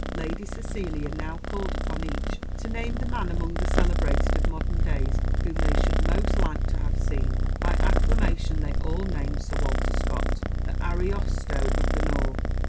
Lady Cecilia now called upon each to name the man among the celebrated of modern days, whom they should most liked to have seen. By acclamation they all named Sir Walter Scott, 'The Ariosto of the North!